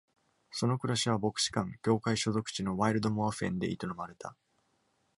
その暮らしは牧師館、教会所属地のワイルドモァ・フェンで営まれた。